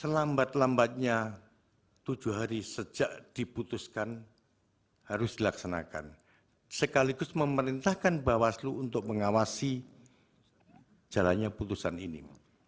selambat lambatnya tujuh hari sejak diputuskan harus dilaksanakan sekaligus memerintahkan bawaslu untuk mengawasi jalannya putusan ini